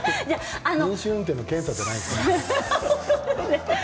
飲酒運転の検査じゃないんだから。